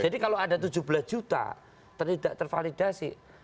jadi kalau ada tujuh belas juta tidak tervalidasi